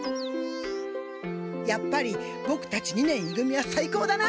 やっぱりボクたち二年い組はさいこうだな。